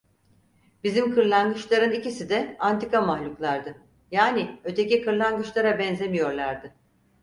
Bizim kırlangıçların ikisi de antika mahluklardı, yani öteki kırlangıçlara benzemiyorlardı.